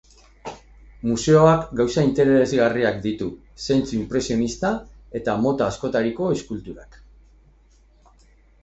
Museoak gauza interesgarriak ditu, zentzu inpresionista eta mota askotariko eskulturak.